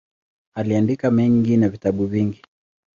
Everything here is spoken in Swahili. Aliandika mengi na vitabu vingi.